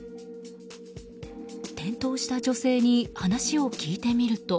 転倒した女性に話を聞いてみると。